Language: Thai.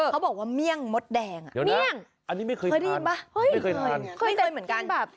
เขาบอกว่าเมี่ยงมดแดงอันนี้ไม่เคยกินไม่เคยเหมือนกัน